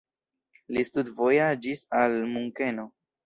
Li studvojaĝis al Munkeno.